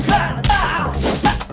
berhenti mau bantuin